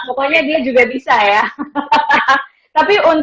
pokoknya dia juga bisa ya